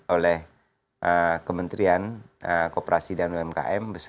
oleh kementerian kooperasi dan umkm